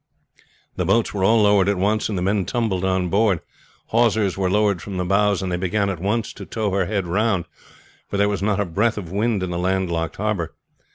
The boats were all lowered at once, and the men tumbled on board. Hawsers were lowered from the bows, and they began at once to tow her head round, for there was not a breath of wind in the land locked harbor.